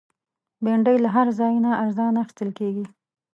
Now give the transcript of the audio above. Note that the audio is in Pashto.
بېنډۍ له هر ځای نه ارزانه اخیستل کېږي